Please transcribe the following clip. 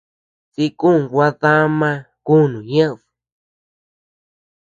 Sï kun gua dama kunu ñeʼed.